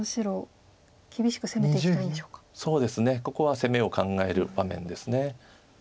ここは攻めを考える場面です。